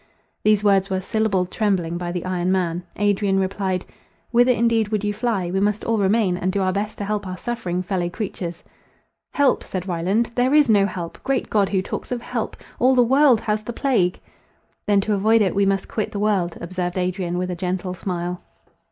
These words were syllabled trembling by the iron man. Adrian replied, "Whither indeed would you fly? We must all remain; and do our best to help our suffering fellow creatures." "Help!" said Ryland, "there is no help!—great God, who talks of help! All the world has the plague!" "Then to avoid it, we must quit the world," observed Adrian, with a gentle smile.